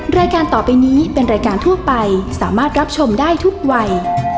รายการต่อไปนี้เป็นรายการทั่วไปสามารถรับชมได้ทุกวัย